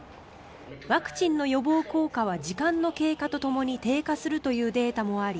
ワクチンの予防効果は時間の経過とともに低下するというデータもあり